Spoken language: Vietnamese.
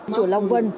chùa long vân